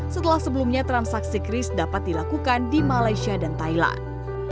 setelah sebelumnya transaksi kris dapat dilakukan di malaysia dan thailand